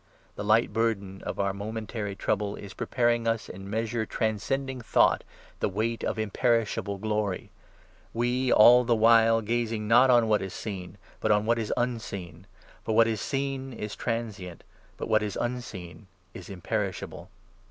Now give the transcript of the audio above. The light burden of our momentary 17 trouble is preparing for us, in measure transcending thought, a weight of imperishable glory ; we, all the while, gazing not 18 on what is seen, but on what is unseen ; for what is seen is transient, but what is unseen is imperishable.